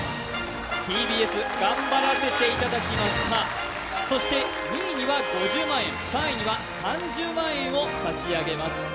ＴＢＳ、頑張らせていただきましたそして、２位には５０万円、３位には３０万円を差し上げます。